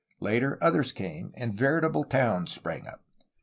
Later, others came, and veritable towns sprang up.